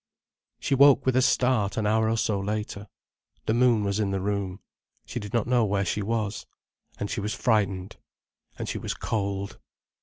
She woke with a start an hour or so later. The moon was in the room. She did not know where she was. And she was frightened. And she was cold.